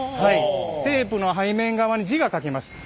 テープの背面側に字が書けます。